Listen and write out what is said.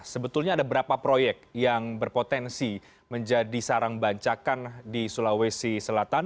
sebetulnya ada berapa proyek yang berpotensi menjadi sarang bancakan di sulawesi selatan